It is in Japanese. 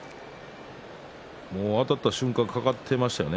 あたった瞬間掛かりましたね。